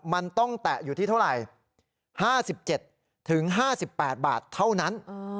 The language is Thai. มันต้องแตะอยู่ที่เท่าไหร่๕๗๕๘บาทเท่านั้น